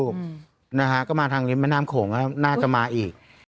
โปรดติดตามตอนต่อไป